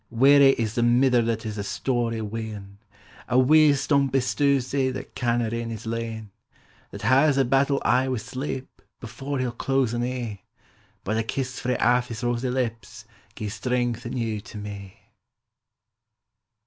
Wearie is the mither that has a storie wean, A wee stumpie stoussie, that canna rin his lane, That has a battle aye wi' sleep, before he '11 close an ee; But a kiss frae aff his rosy lips gies strength anew to me.